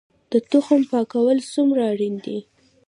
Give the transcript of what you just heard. د تخم پاکول څومره اړین دي؟